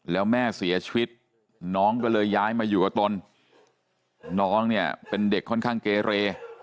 แล้วแม่เสียชีวิตน้องก็เลยย้ายมาอยู่กับตนน้องเนี่ยเป็นเด็กค่อนข้างเกเร